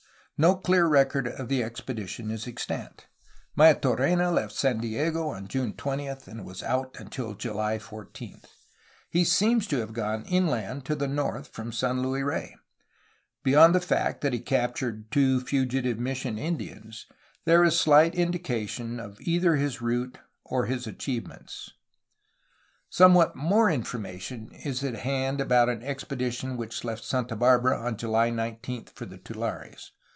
No clear record of the expedition is extant. Maitorena left San Diego on June 20, and was out until July 14. He seems to have gone inland to the north from San Luis Rey. Beyond the fact that he captured two fugitive mission Indians, there is slight indication of either his route or his achievements. INLAND EXPLORATIONS AND INDIAN WARS 421 Somewhat more information is at hand about an expedi tion which left Santa Barbara on July 19 for the tulares.